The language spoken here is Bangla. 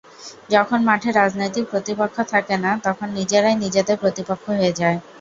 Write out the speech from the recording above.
যখন মাঠে রাজনৈতিক প্রতিপক্ষ থাকে না, তখন নিজেরাই নিজেদের প্রতিপক্ষ হয়ে যায়।